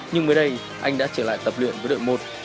nhưng mới đây anh đã trở lại tập luyện với đội một